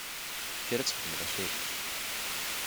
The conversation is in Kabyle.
Kker ad txedmeḍ akal-ik!